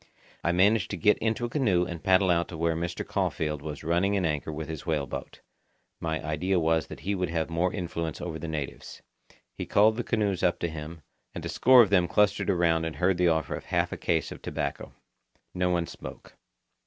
I managed to get into a canoe and paddle out to where Mr. Caulfeild was running an anchor with his whale boat. My idea was that he would have more influence over the natives. He called the canoes up to him, and a score of them clustered around and heard the offer of half a case of tobacco. No one spoke.